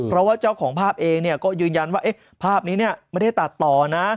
เพราะว่าเจ้าของภาพเองก็ยืนยันว่าภาพนี้ไม่ได้ตัดต่อนะ